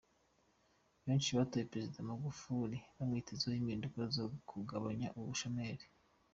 Benshi batoye Perezida Magufuli bamwitezeho impinduka zo kugabanya ubu bushomeri.